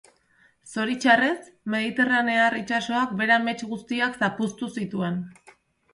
Zoritxarrez, mediterranear itsasoak bere amets guztiak zapuztu zituen.